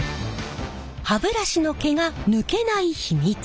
歯ブラシの毛が抜けない秘密。